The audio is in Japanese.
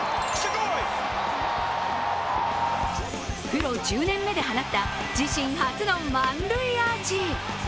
プロ１０年目で放った自身初の満塁アーチ。